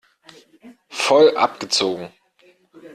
Voll abgezogen!